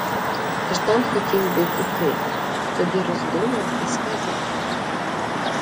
Ждан хотів був іти, тоді роздумав і сказав: